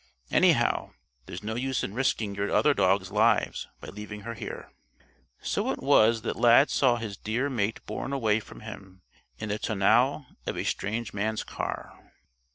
Anyhow, there's no use in risking your other dogs' lives by leaving her here." So it was that Lad saw his dear mate borne away from him in the tonneau of a strange man's car.